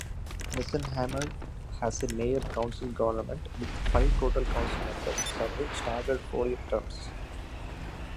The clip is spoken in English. Misenheimer has a mayor-council government with five total council members serving staggered four-year terms.